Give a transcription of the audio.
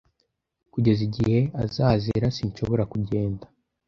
Kugeza igihe azazira, sinshobora kugenda.